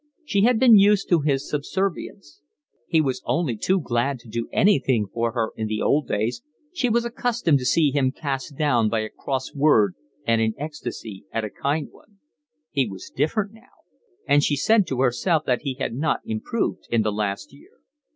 She had been used to his subservience: he was only too glad to do anything for her in the old days, she was accustomed to see him cast down by a cross word and in ecstasy at a kind one; he was different now, and she said to herself that he had not improved in the last year.